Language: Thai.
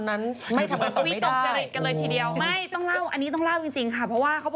อันนี้ต้องเล่า